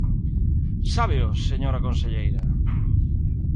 ¿Sábeo, señora conselleira?